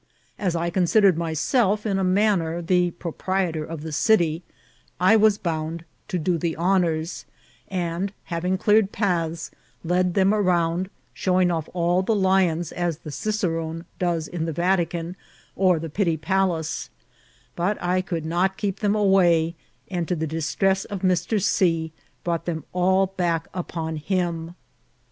As I considered myself in a manner the pro prietor of the city, I was bound to do the honours ; and, having cleared paths, led them around, showing off all the lions as the cicerone does in the Vatican or the Pitti Palace; but I could not keep them away, and, to the distress of Mr. C, brought them all back iq>on him.